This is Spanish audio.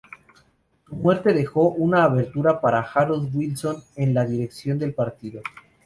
Su muerte dejó una abertura para Harold Wilson en la dirección del partido.